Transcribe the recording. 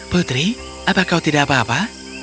putri apa kau tidak apa apa